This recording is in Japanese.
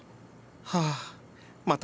はあまた